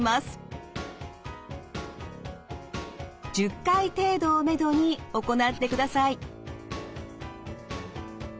１０回程度をめどに行ってください。